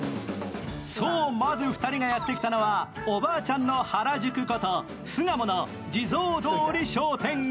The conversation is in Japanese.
そう、まず２人がやってきたのはおばあちゃんの原宿こと巣鴨の地蔵通り商店街。